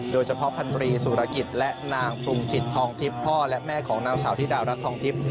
โดยเฉพาะพันธรีสุรกิจและนางปรุงจิตทองทิพย์พ่อและแม่ของนางสาวธิดารัฐทองทิพย์